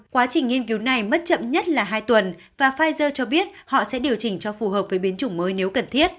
quá trình nghiên cứu này mất chậm nhất là hai tuần và pfizer cho biết họ sẽ điều chỉnh cho phù hợp với biến chủng mới nếu cần thiết